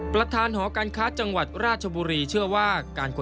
ประธานหอการค้าจังหวัดราชบุรีเชื่อว่า